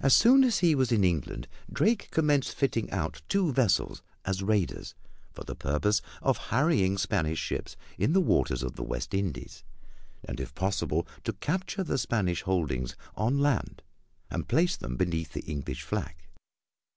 As soon as he was in England Drake commenced fitting out two vessels as raiders for the purpose of harrying Spanish ships in the waters of the West Indies, and if possible to capture the Spanish holdings on land and place them beneath the English flag.